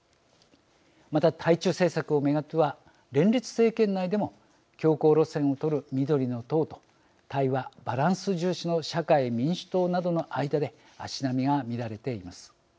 また、対中政策を巡っては連立政権内でも強硬路線を取る緑の党と対話バランス重視の社会民主党などの間で足並みが乱れています。